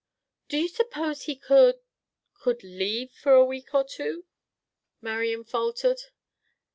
"Do you suppose he could—could leave for a week or two?" Marian faltered.